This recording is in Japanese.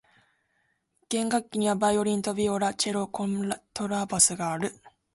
弦楽器にはバイオリンとビオラ、チェロ、コントラバスがある。